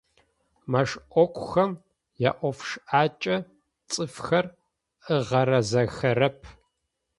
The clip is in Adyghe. Мэшӏокухэм яӏофшӏакӏэ цӏыфхэр ыгъэразэхэрэп.